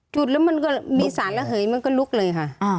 จุดแล้วมันก็มีสารระเหยมันก็ลุกเลยค่ะ